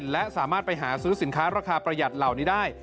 และสามารถไปหาซื้อสินค้าราคาประหยัดเหล่านี้ได้